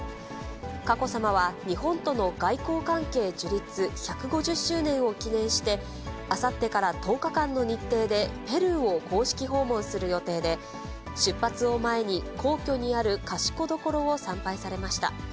佳子さまは、日本との外交関係樹立１５０周年を記念して、あさってから１０日間の日程でペルーを公式訪問する予定で、出発を前に皇居にある賢所を参拝されました。